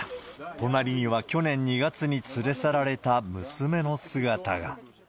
隣には、去年２月に連れ去られた娘の姿が。